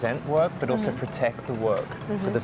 untuk anak anak anak anak kita